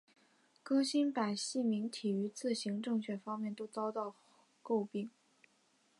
更新版细明体于字形正确方面都遭到诟病。